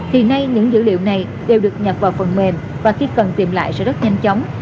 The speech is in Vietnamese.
thì nay những dữ liệu này đều được nhập vào phần mềm và khi cần tìm lại sẽ rất nhanh chóng